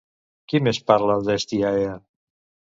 Qui més parla d'Hestiaea?